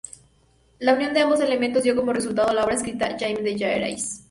La unión de ambos elementos dio como resultado la obra escrita Jaime de Jaraíz.